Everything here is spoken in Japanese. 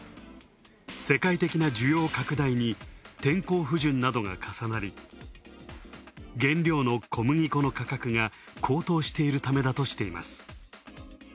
世界的な需要拡大に天候不順などが重なり、原料の小麦粉の価格が高騰しているためだとしています。